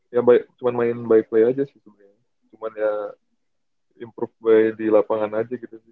ya cuman main by play aja sih sebenernya cuman ya improve di lapangan aja gitu sih